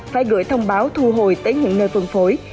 phải gửi thông báo thu hồi tới những nơi phân phối